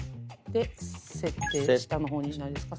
設定下の方にないですか？